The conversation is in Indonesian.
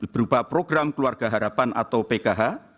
berupa program keluarga harapan atau pkh